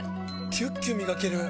キュッキュ磨ける！